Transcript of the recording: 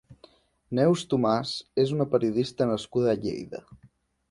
Neus Tomàs és una periodista nascuda a Lleida.